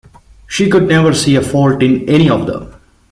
She could never see a fault in any of them.